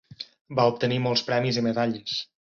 Va obtenir molts premis i medalles.